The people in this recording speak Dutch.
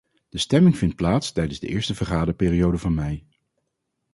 De stemming vindt plaats tijdens de eerste vergaderperiode van mei.